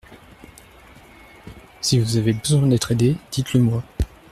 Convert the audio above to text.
Si vous avez besoin d’être aidé, dites-le-moi.